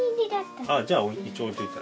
ああじゃあ一応置いといたら。